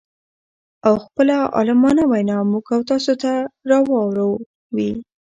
او خپله عالمانه وينا موږ او تاسو ته را واور وي.